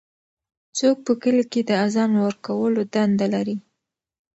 څوک په کلي کې د اذان ورکولو دنده لري؟